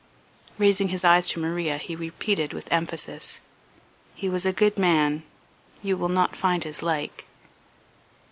Raising his eyes to Maria he repeated with emphasis: "He was a good man, you will not find his like."